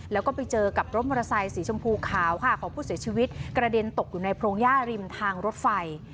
แล้วก็ไปเจอกับรถมอเตอร์ไซสีชมพูขาวค่ะของผู้เสียชีวิตกระเด็นตกอยู่ในโพรงย่าริมทางรถไฟ